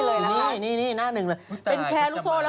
สวัสดีค่าข้าวใส่ไข่